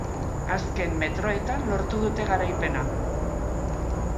Azken metroetan lortu dute garaipena.